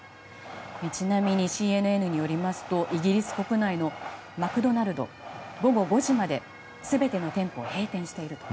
ちなみに、ＣＮＮによりますとイギリス国内のマクドナルド午後５時まで全ての店舗を閉店していると。